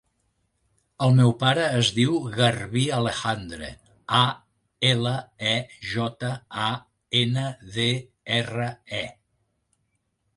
El meu pare es diu Garbí Alejandre: a, ela, e, jota, a, ena, de, erra, e.